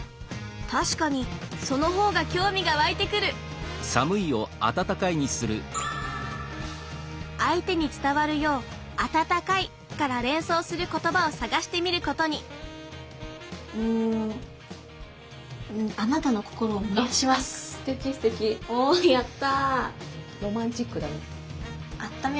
確かにその方が興味が湧いてくる相手に伝わるよう「あたたかい」から連想することばを探してみることにうんおやった！